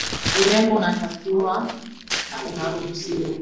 urembo unatakiwa na unaruhusiwa